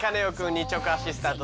日直アシスタント